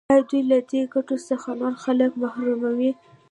آیا دوی له دې ګټو څخه نور خلک محروموي؟